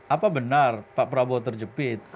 apa benar pak prabowo terjepit